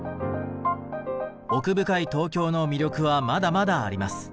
奥深い東京の魅力はまだまだあります。